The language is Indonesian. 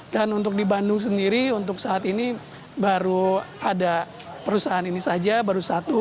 dan untuk di bandung sendiri untuk saat ini baru ada perusahaan ini saja baru satu